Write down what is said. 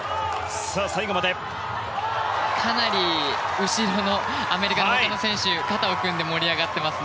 かなり後ろのアメリカの選手が肩を組んで盛り上がっています。